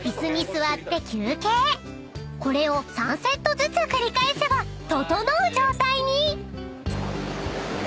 ［これを３セットずつ繰り返せばととのう状態に］